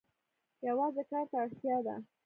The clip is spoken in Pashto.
یوازې کار ته اړتیا ده.